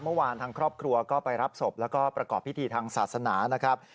เมื่อวานทางครอบครัวก็ไปรับศพแล้วก็ประกอบพิธีทางศาสนานะครับ